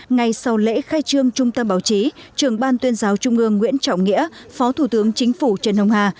ngay sau lễ khai trương trung tâm báo chí trưởng ban tuyên giáo trung ương nguyễn trọng nghĩa phó thủ tướng chính phủ trần hồng hà